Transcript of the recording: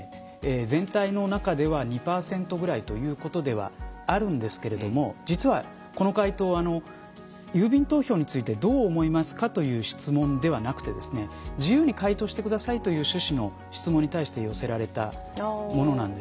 全体の中では２％ぐらいということではあるんですけれども実はこの回答「郵便投票についてどう思いますか？」という質問ではなくてですね「自由に回答して下さい」という趣旨の質問に対して寄せられたものなんですね。